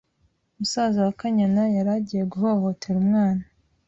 musaza wa Kanyana yari agiye guhohotera umwana